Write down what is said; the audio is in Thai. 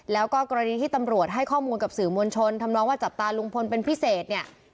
แล้วก็กรณีที่ตำรวจให้ข้อมูลกับสื่อมวลชนทำนองว่าจับตาลุงพลเป็นพิเศษเนี่ย